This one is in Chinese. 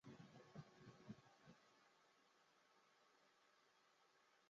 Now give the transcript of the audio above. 巨齿西南花楸为蔷薇科花楸属下的一个变种。